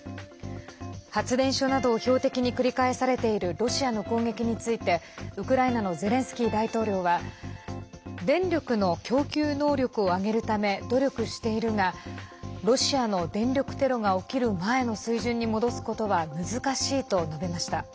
発電所などを標的に繰り返されているロシアの攻撃についてウクライナのゼレンスキー大統領は電力の供給能力を上げるため努力しているがロシアの電力テロが起きる前の水準に戻すことは難しいと述べました。